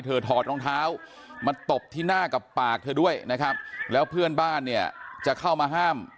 ถอดรองเท้ามาตบที่หน้ากับปากเธอด้วยนะครับแล้วเพื่อนบ้านเนี่ยจะเข้ามาห้าม